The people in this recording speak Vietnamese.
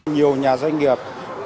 nhiều nhà doanh nghiệp